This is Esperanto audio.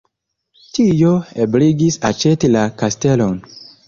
Tio ebligis aĉeti la kastelon.